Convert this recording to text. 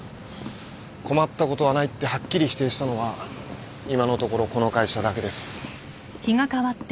困ったことはないってはっきり否定したのは今のところこの会社だけです。